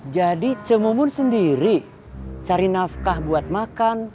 jadi cemumun sendiri cari nafkah buat makan